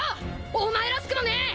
お前らしくもねえ！